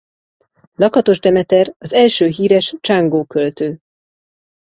Lakatos Demeter az első híres csángó költő.